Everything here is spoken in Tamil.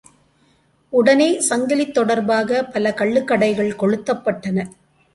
உடனே சங்கிலித் தொடர்பாகப் பல கள்ளுக்கடைகள் கொளுத்தப்பட்டன.